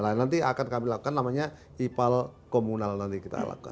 nah nanti akan kami lakukan namanya ipal komunal nanti kita lakukan